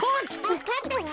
わかったわ。